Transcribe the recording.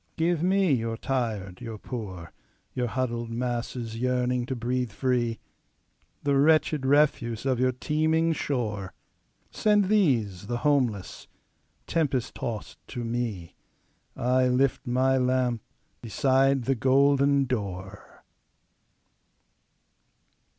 "Give me your tired, your poor, Your huddled masses yearning to breathe free, The wretched refuse of your teeming shore. Send these, the homeless, tempest tost to me,I lift my lamp beside the golden door!"